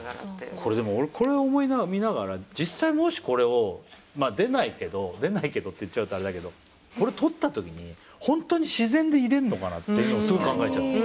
これでも俺これを見ながら実際もしこれを出ないけど出ないけどって言っちゃうとあれだけどこれ撮った時に本当に自然でいれんのかな？っていうのをすごい考えちゃって。